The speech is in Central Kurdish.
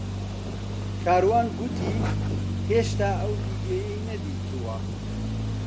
کاروان گوتی هێشتا ئەو ڤیدیۆیەی نەدیتووە.